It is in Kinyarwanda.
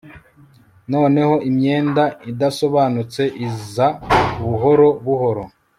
Noneho imyenda idasobanutse iza buhoro buhoro